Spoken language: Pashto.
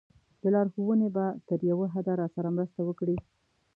دا لارښوونې به تر یوه حده راسره مرسته وکړي.